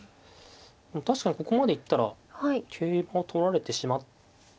確かにここまで行ったら桂馬取られてしまっていますかね。